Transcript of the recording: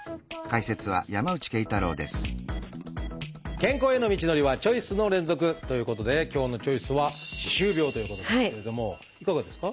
健康への道のりはチョイスの連続！ということで今日の「チョイス」はいかがですか？